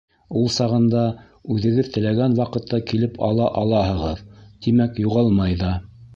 Ул сағында үҙегеҙ теләгән ваҡытта килеп ала алаһығыҙ, тимәк, юғалмай ҙа.